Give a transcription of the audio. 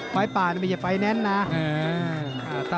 ฝ่ายป่านี่ไม่ใช่ฝ่ายแน่นนะ